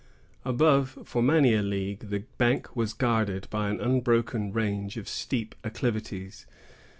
Above, for many a league, the bank was guarded by an unbroken range of steep acclivities.